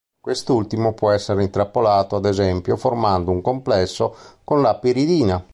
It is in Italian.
Quest'ultimo può essere intrappolato ad esempio formando un complesso con la piridina.